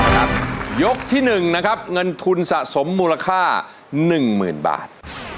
ครับครับยกที่หนึ่งนะครับเงินทุนสะสมมูลค่าหนึ่งหมื่นบาท